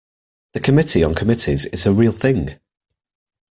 The Committee on Committees is a real thing.